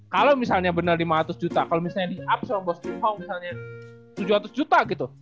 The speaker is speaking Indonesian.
kalau misalnya bener lima ratus juta kalau misalnya di upsong boston hong misalnya tujuh ratus juta gitu